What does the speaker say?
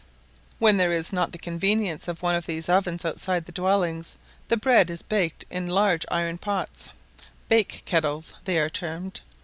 When there is not the convenience of one of these ovens outside the dwellings, the bread is baked in large iron pots "bake kettles" they are termed.